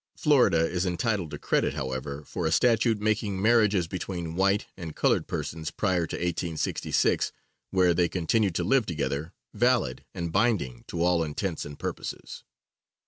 Florida is entitled to credit, however, for a statute making marriages between white and colored persons prior to 1866, where they continue to live together, valid and binding to all intents and purposes.